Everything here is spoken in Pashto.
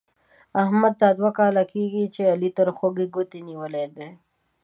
احمد دا دوه کاله کېږي چې علي تر خوږ ګوتې نيولې دی.